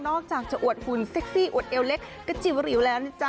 อกจากจะอวดหุ่นเซ็กซี่อวดเอวเล็กกระจิ๋วหลิวแล้วนะจ๊